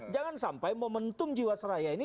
jangan sampai momentum jiwa seraya ini